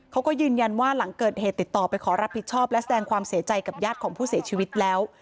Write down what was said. เขาก็ยืนยันว่าหลังเกิดเหตุติดต่อไปขอรับผิดชอบและแสดงความเสียใจกับญาติของผู้เสียชีวิตแล้ว